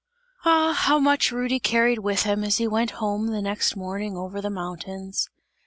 Ah! how much Rudy carried with him, as he went home the next morning over the mountains.